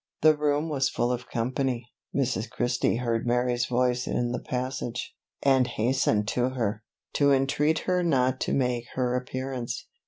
The room was full of company. Mrs. Christie heard Mary's voice in the passage, and hastened to her, to intreat her not to make her appearance.